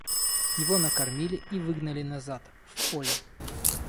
Его накормили и выгнали назад — в поле.